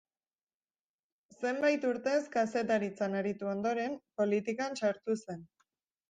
Zenbait urtez kazetaritzan aritu ondoren, politikan sartu zen.